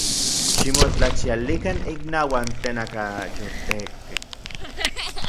¡Ximotlachialikan innauak tenakayotekkej!